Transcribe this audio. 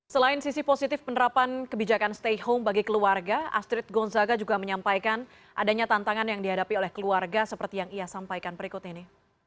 selain sisi positif penerapan kebijakan stay home bagi keluarga astrid gonzaga juga menyampaikan adanya tantangan yang dihadapi oleh keluarga seperti yang ia sampaikan berikut ini